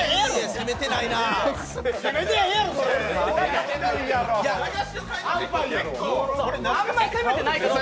攻めてないなあ！